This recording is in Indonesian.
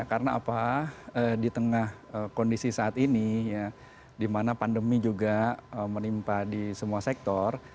karena apa di tengah kondisi saat ini di mana pandemi juga menimpa di semua sektor